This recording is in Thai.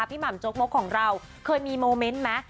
หม่ำโจ๊กมกของเราเคยมีโมเมนต์ไหม